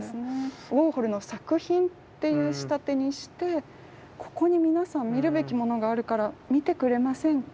ウォーホルの作品っていう仕立てにして「ここに皆さん見るべきものがあるから見てくれませんか？